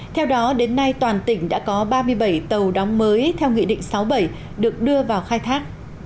theo đó đến nay toàn tỉnh đã có ba mươi bảy tàu đóng mới theo nghị định sáu bảy được đưa vào khai thác